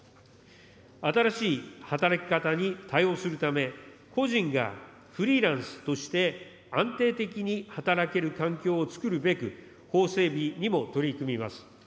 新しい働き方に対応するため、個人がフリーランスとして、安定的に働ける環境をつくるべく、法整備にも取り組みます。